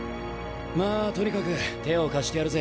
まぁとにかく手を貸してやるぜ。